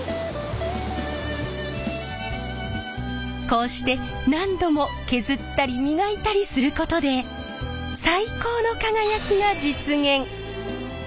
こうして何度も削ったり磨いたりすることで最高の輝きが実現。